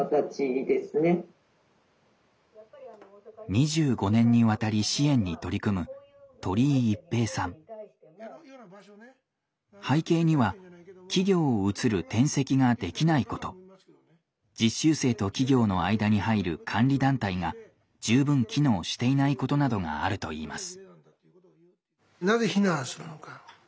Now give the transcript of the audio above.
２５年にわたり支援に取り組む背景には企業を移る転籍ができないこと実習生と企業の間に入る監理団体が十分機能していないことなどがあるといいます。